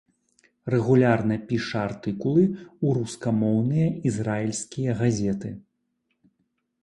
Рэгулярна піша артыкулы ў рускамоўныя ізраільскія газеты.